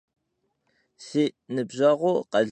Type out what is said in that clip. Si nıbjeğur khalmıkhş.